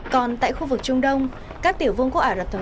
còn tại khu vực trung đông các tiểu vương quốc ả rập thống